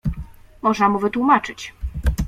Można mu wytłumaczyć.